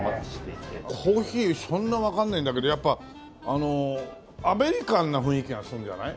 コーヒーそんなわかんないんだけどやっぱアメリカンな雰囲気がするじゃない。